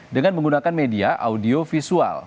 dengan menggunakan media audiovisual